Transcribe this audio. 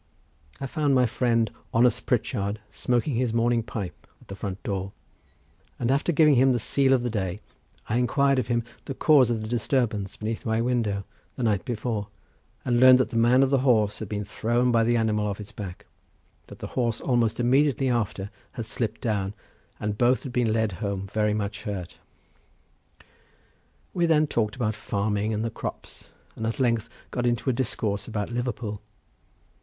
I found my friend honest Pritchard smoking his morning pipe at the front door, and after giving him the sele of the day, I inquired of him the cause of the disturbance beneath my window the night before, and learned that the man of the horse had been thrown by the animal off its back, that the horse almost immediately after had slipped down, and both had been led home very much hurt. We then talked about farming and the crops, and at length got into a discourse about Liverpool.